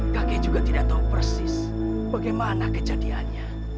kakek juga tidak tahu persis bagaimana kejadiannya